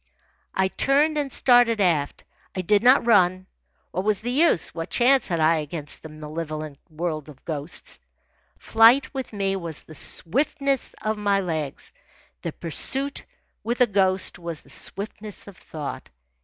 I turned and started aft. I did not run. What was the use? What chance had I against the malevolent world of ghosts? Flight, with me, was the swiftness of my legs. The pursuit, with a ghost, was the swiftness of thought.